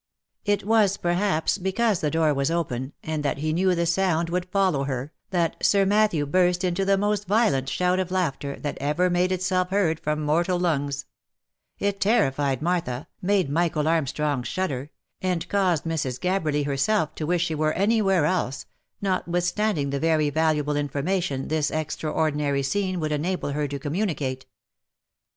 It was, perhaps, because the door was open, and that he knew the sound would follow her, that Sir Matthew burst into the most violent shout of laughter that ever made itself heard from mortal lungs ; it terrified Martha, made Michael Armstrong shudder, and caused Mrs. Gabberly herself to wish she were any where else, notwithstanding the very valuable information this extraordinary scene would enable her to communicate.